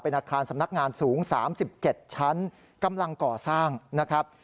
อาคารสำนักงานสูง๓๗ชั้นกำลังก่อสร้างนะครับ